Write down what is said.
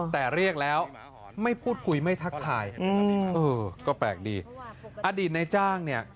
แต่เรียกแล้วไม่พูดคุยไม่ทักทาย